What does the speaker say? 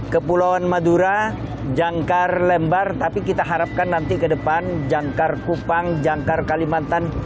kepulauan madura jangkar lembar tapi kita harapkan nanti ke depan jangkar kupang jangkar kalimantan